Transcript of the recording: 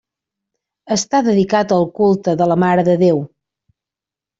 Està dedicat al culte de la Mare de Déu.